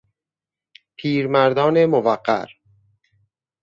پیرمردان موقر